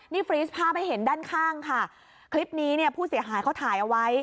นี่ฟรีสภาพให้เห็นด้านข้างค่ะคลิปนี้เนี่ยผู้เสียหายเขาถ่ายเอาไว้